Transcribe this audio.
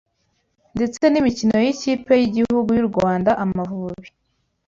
ndetse n’imikino y’ikipe y’igihugu y’u Rwanda Amavubi